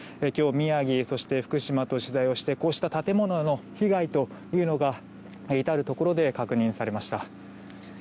今日、宮城そして福島と取材をしてこうした建物の被害というのが至るところで確認されました。